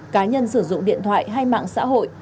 cá nhân sử dụng điện thoại hay mạng xã hội